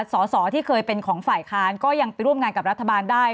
สอสอที่เคยเป็นของฝ่ายค้านก็ยังไปร่วมงานกับรัฐบาลได้